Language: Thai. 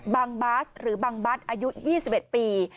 บางบ๊าซหรือบางบัตรอายุ๒๑ปี